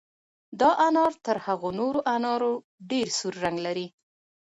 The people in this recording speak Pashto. دا انار تر هغو نورو انارو ډېر سور رنګ لري.